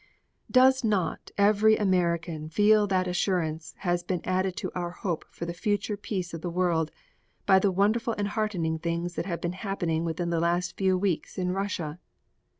Does not every American feel that assurance has been added to our hope for the future peace of the world by the wonderful and heartening things that have been happening within the last few weeks in Russia?